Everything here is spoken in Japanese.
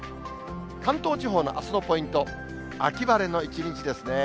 関東地方のあすのポイント、秋晴れの一日ですね。